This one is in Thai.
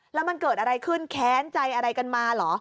แล้วมันเกิดอะไรขึ้นแค้นใจอะไรกันมาเหรอ